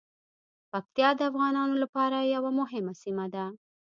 پکتیا د افغانانو لپاره یوه مهمه سیمه ده.